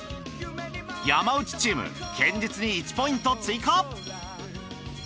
山内チーム堅実に１ポイント追加。